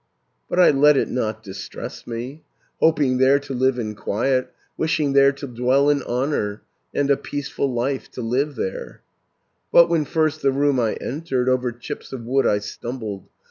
560 "But I let it not distress me, Hoping there to live in quiet, Wishing there to dwell in honour, And a peaceful life to live there; But when first the room I entered, Over chips of wood I stumbled.